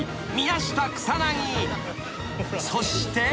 ［そして］